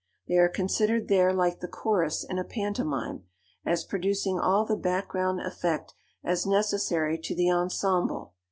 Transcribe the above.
They are considered there like the chorus in a pantomime, as producing all the back ground effect as necessary to the ensemble.